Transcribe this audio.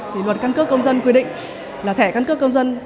thì luật căn cước công dân quy định là thẻ căn cước công dân